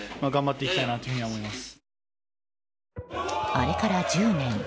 あれから１０年。